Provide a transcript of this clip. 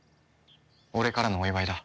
俺からのお祝いだ。